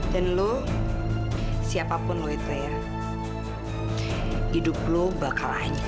dan lo siapapun lo itu ya hidup lo bakal hanyut curi